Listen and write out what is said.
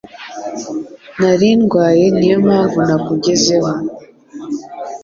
Narindwaye niyo mpamvu nakugezeho